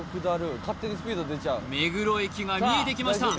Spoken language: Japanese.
目黒駅が見えてきました